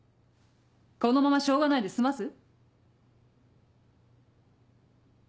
このまま「しょうがない」で済ます？